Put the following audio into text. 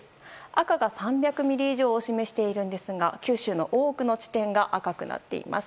赤が３００ミリ以上を示しているんですが九州の多くの地点が赤くなっています。